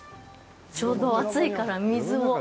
ちょうど暑いから水を。